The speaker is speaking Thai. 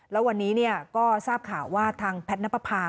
แล้ววันนี้ก็ทราบข่าวว่าทางแพทย์นับประพา